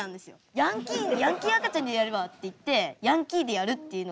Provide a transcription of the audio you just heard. ヤンキー赤ちゃんでやればっていってヤンキーでやるっていうのが。